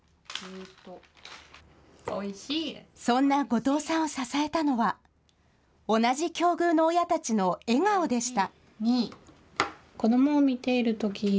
そんな後藤さんを支えたのは同じ境遇の親たちの笑顔でした。